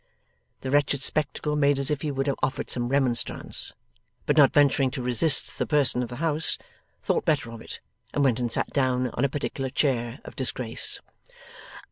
The wretched spectacle made as if he would have offered some remonstrance; but not venturing to resist the person of the house, thought better of it, and went and sat down on a particular chair of disgrace.